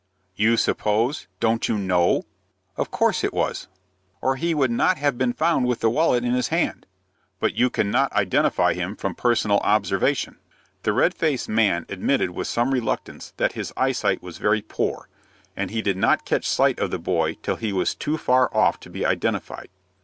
"You suppose? Don't you know?" "Of course it was, or he would not have been found with the wallet in his hand." "But you cannot identify him from personal observation?" The red faced man admitted with some reluctance that his eyesight was very poor, and he did not catch sight of the boy till he was too far off to be identified.